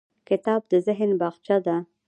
کتابچه د ذهن باغچه ده